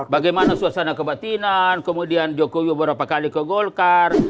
bagaimana suasana kebatinan kemudian jokowi beberapa kali ke golkar